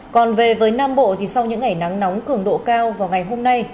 còn về với nam bộ sau những ngày nắng nóng cường độ cao vào ngày hôm nay